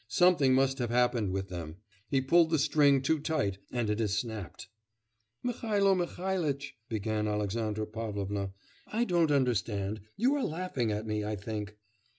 Something must have happened with them. He pulled the string too tight and it has snapped.' 'Mihailo Mihailitch!' began Alexandra Pavlovna, 'I don't understand; you are laughing at me, I think....